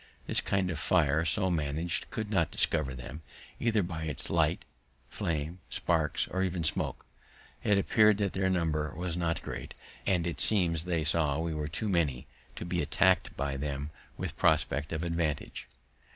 This kind of fire, so manag'd, could not discover them, either by its light, flame, sparks, or even smoke: it appear'd that their number was not great, and it seems they saw we were too many to be attacked by them with prospect of advantage.